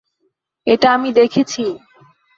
এটা আমি দেখছি।